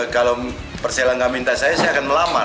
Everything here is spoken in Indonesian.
kalau persela gak minta saya saya akan melamar